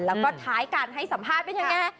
แล้วก็ท้ายการให้สัมภาษณ์เป็นยังไง